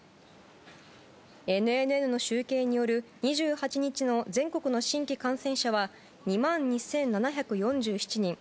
ＮＮＮの集計による、２８日の全国の新規感染者は２万２７４７人。